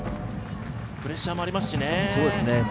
プレッシャーもありますしね。